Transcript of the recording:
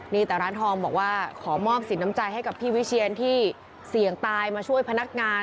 นี่แต่ร้านทองบอกว่าขอมอบสินน้ำใจให้กับพี่วิเชียนที่เสี่ยงตายมาช่วยพนักงาน